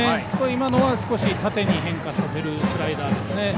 今のは少し縦に変化させるスライダーでしたね。